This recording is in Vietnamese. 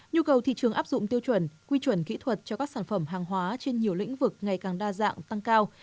nhu cầu thị trường áp dụng tiêu chuẩn quy chuẩn kỹ thuật cho các sản phẩm hàng hóa trên nhiều lĩnh vực ngày càng đa dạng tăng cao